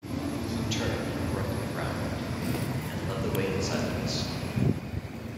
He turned abruptly round, and led the way in silence.